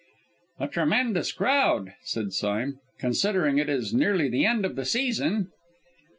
"A tremendous crowd," said Sime, "considering it is nearly the end of the season."